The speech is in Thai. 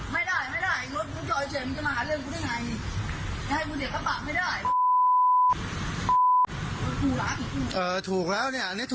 ไปช่วยใช้ยังไง